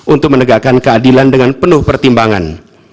untuk menegakkan keadilan dengan penuh pertimbangan